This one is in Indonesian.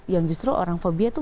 yang justru orang fobia itu